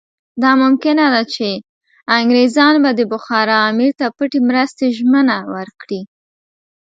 دا ممکنه ده چې انګریزان به د بخارا امیر ته پټې مرستې ژمنه ورکړي.